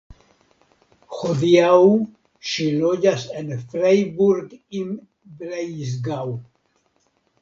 Hodiaŭ ŝi loĝas en Freiburg im Breisgau.